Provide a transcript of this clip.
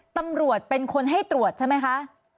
ตำรวจเป็นคนให้ตรวจใช่ไหมคะ